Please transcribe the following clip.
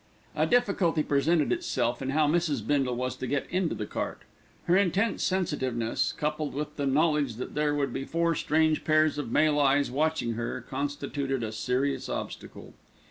A difficulty presented itself in how Mrs. Bindle was to get into the cart. Her intense sensitiveness, coupled with the knowledge that there would be four strange pairs of male eyes watching her, constituted a serious obstacle.